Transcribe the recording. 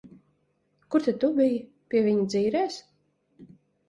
Kur tad tu biji? Pie viņa dzīrēs?